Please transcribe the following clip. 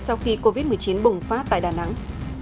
sau khi covid một mươi chín bùng phát tại đà nẵng